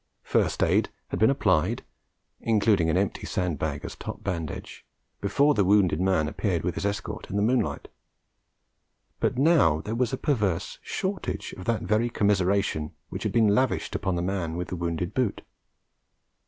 First aid had been applied, including an empty sand bag as top bandage, before the wounded man appeared with his escort in the moonlight; but now there was a perverse shortage of that very commiseration which had been lavished upon the man with the wounded boot.